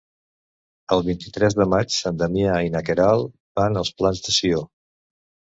El vint-i-tres de maig en Damià i na Queralt van als Plans de Sió.